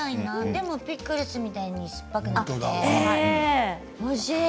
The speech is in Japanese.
でもピクルスみたいに酸っぱくなくて、おいしい。